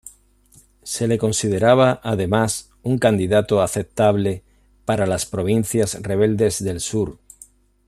Se le consideraba además un candidato aceptable para las provincias rebeldes del sur.